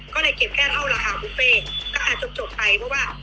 ก็เลยเก็บแค่เท่าราคาบุฟเฟ่ก็อาจจะจบไปเพราะว่า